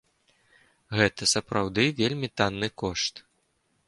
Гэта сапраўды вельмі танны кошт.